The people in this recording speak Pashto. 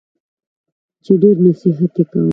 چي ډېر نصیحت یې کاوه !